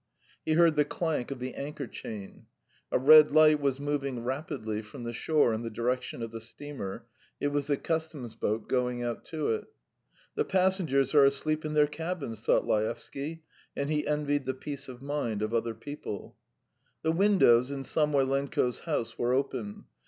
He heard the clank of the anchor chain. A red light was moving rapidly from the shore in the direction of the steamer: it was the Customs boat going out to it. "The passengers are asleep in their cabins ..." thought Laevsky, and he envied the peace of mind of other people. The windows in Samoylenko's house were open.